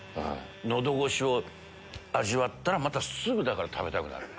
喉越しを味わったらまたすぐ食べたくなる。